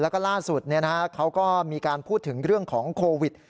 แล้วก็ล่าสุดเขาก็มีการพูดถึงเรื่องของโควิด